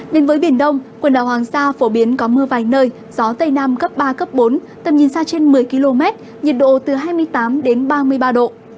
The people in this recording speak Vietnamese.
đến với biển đông quần đảo hoàng sa phổ biến có mưa vài nơi gió tây nam cấp ba cấp bốn tầm nhìn xa trên một mươi km nhiệt độ từ hai mươi tám ba mươi ba độ